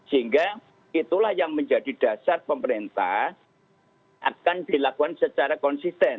sehingga itulah yang menjadi dasar pemerintah akan dilakukan secara konsisten